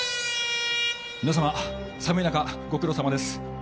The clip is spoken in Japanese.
皆様、寒い中、ご苦労さまです。